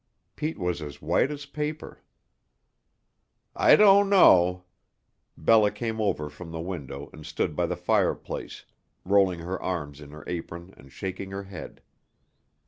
Pete was as white as paper. "I don't know." Bella came over from the window and stood by the fireplace, rolling her arms in her apron and shaking her head.